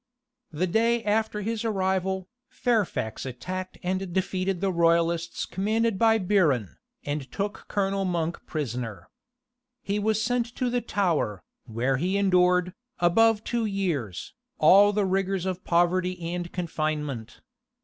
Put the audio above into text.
The day after his arrival, Fairfax attacked and defeated the royalists commanded by Biron, and took Colonel Monk prisoner. He was sent to the Tower, where he endured, above two years, all the rigors of poverty and confinement.